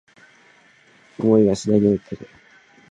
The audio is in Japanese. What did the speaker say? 想いは次第に大きくなる